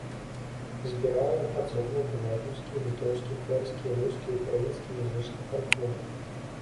Збіраў і апрацоўваў беларускі, літоўскі, польскі, рускі, украінскі музычны фальклор.